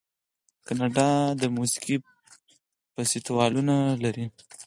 کاناډا د موسیقۍ فستیوالونه لري.